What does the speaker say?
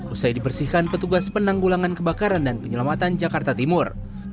usai dibersihkan petugas penanggulangan kebakaran dan penyelamatan jakarta timur